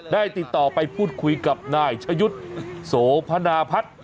ได้ติดต่อไปพูดคุยกับนายชะยุทธ์โสพนาพัฒน์